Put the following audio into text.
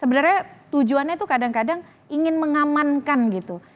sebenarnya tujuannya itu kadang kadang ingin mengamankan gitu